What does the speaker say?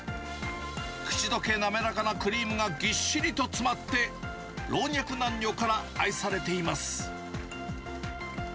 口どけ滑らかなクリームがぎっしりと詰まって、老若男女から愛されています。